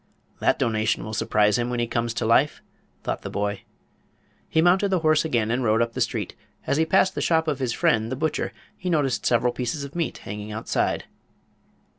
"That donation will surprise him when he comes to life," thought the boy. He mounted the horse again and rode up the street. As he passed the shop of his friend, the butcher, he noticed several pieces of meat hanging outside.